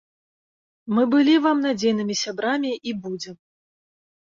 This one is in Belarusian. Мы былі вам надзейнымі сябрамі і будзем.